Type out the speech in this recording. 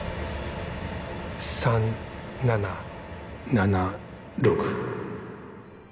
３７７６。